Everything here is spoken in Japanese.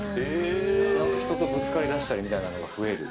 なんか人とぶつかりだしたりみたいなのが増える。